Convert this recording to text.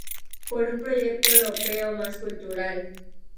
Por un proyecto europeo más cultural.